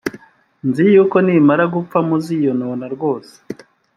nzi yuko nimara gupfa, muziyonona rwose,